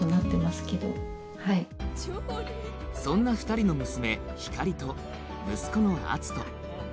そんな２人の娘光莉と息子の篤斗